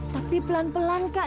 tapi pelan pelan kak